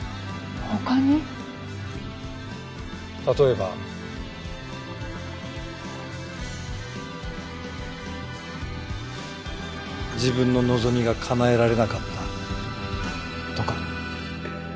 例えば。自分の望みが叶えられなかったとか。